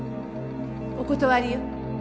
お断りよ。